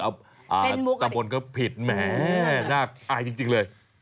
เป็นมุกตำบลก็ผิดแหมน่าอายจริงเลย